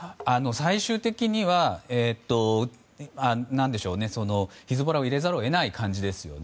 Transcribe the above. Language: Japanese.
最終的にはヒズボラを入れざるを得ない感じですね。